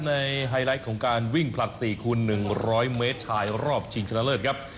ไฮไลท์ของการวิ่งผลัด๔คูณ๑๐๐เมตรชายรอบชิงชนะเลิศครับ